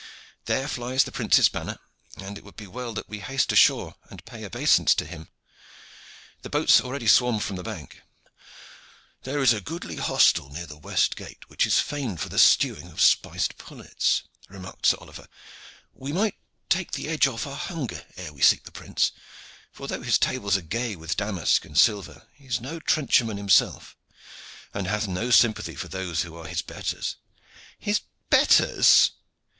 There flies the prince's banner, and it would be well that we haste ashore and pay our obeisance to him. The boats already swarm from the bank." "There is a goodly hostel near the west gate, which is famed for the stewing of spiced pullets," remarked Sir Oliver. "We might take the edge of our hunger off ere we seek the prince, for though his tables are gay with damask and silver he is no trencherman himself, and hath no sympathy for those who are his betters." "His betters!"